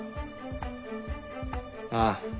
ああ。